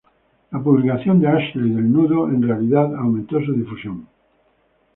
La publicación de Ashley del nudo en realidad aumentó su difusión.